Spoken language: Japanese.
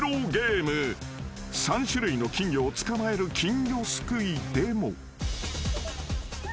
［３種類の金魚を捕まえる金魚すくいでも］